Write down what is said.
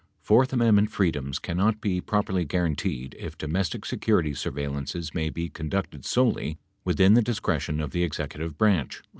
"Fourth amendment freedoms cannot be properly guaranteed if domestic security surveillances may be conducted solely within the discretion of the executive branch."